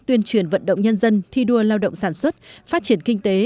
tuyên truyền vận động nhân dân thi đua lao động sản xuất phát triển kinh tế